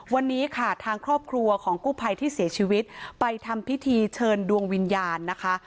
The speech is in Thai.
วันนี้ค่ะทางครอบครัวของกู้ภัยที่เสียชีวิตไปทำพิธีเชิญดวงวิญญาณนะคะ